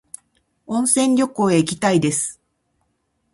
温泉旅行へ行きたいです